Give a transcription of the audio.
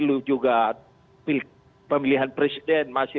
dan karena pemilihan presiden masih dua ribu dua puluh empat